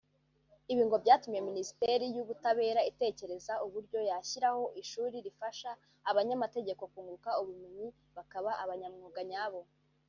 Ibi ngo byatumye Minisiteri y’Ubutabera itekereza uburyo yashyiraho ishuri rifasha abanyamategeko kunguka ubumenyi bakaba abanyamwuga nyabo